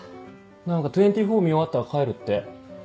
何か『２４』見終わったら帰るって。